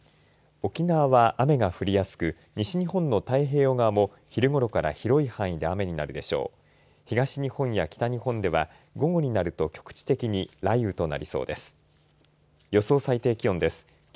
沖縄は雨が降りやすく西日本の太平洋側も昼ごろから広い範囲で雨になるでしょう。